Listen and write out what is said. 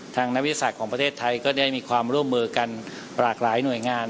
นักวิทยาศาสตร์ของประเทศไทยก็ได้มีความร่วมมือกันหลากหลายหน่วยงาน